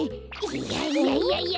いやいやいやいや